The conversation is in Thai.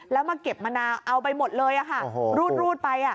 แล้วมาเก็บมะนาวเอาไปหมดเลยรูดไป